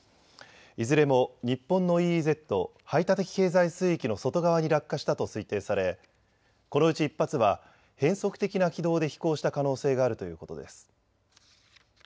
いずれも日本のＥＥＺ・排他的経済水域の外側に落下したと推定されこのうち１発は変則的な軌道で飛行した可能性があるということです。